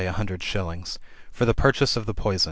a hundred shillings], for the purchase of the poiso